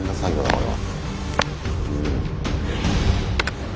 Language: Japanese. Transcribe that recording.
これは。